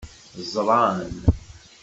Ẓran.